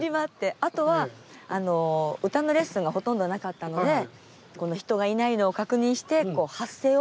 あとは歌のレッスンがほとんどなかったので人がいないのを確認してこう発声を。